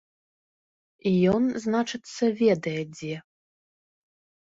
Ён, значыцца, ведае дзе.